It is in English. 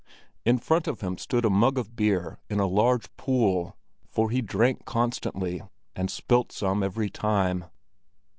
In front of him stood a mug of beer in a large pool, for he drank constantly and spilt some every time.